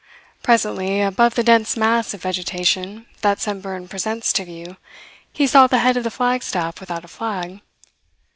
Presently, above the dense mass of vegetation that Samburan presents to view, he saw the head of the flagstaff without a flag.